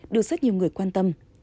được rất nhiều người quan tâm